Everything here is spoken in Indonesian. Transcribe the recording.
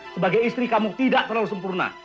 sebagai istri kamu tidak terlalu sempurna